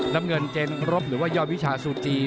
น้ำเงินเจนรบหรือว่ายอดวิชาซูจี